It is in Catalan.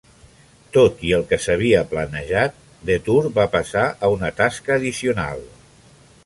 Tot i el que s'havia planejat, Detour va passar a una tasca addicional.